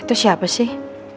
itu siapa sih